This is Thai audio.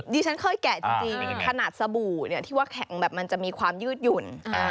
ดิฉันเคยแกะจริงขนาดสบู่ที่ว่าแข็งแบบมันจะมีความยืดหยุ่น